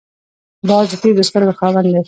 باز د تېزو سترګو خاوند دی